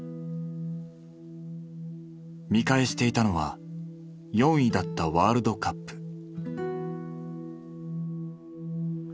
見返していたのは４位だったワールドカップ。